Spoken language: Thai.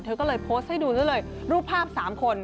เธอก็เลยโพสต์ให้ดูซะเลยรูปภาพ๓คน